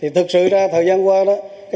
thực sự ra thời gian qua